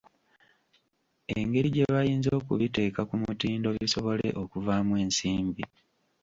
Engeri gye bayinza okubiteeka ku mutindo bisobole okuvaamu ensimbi.